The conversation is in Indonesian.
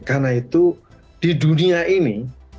karena itu di dunia ini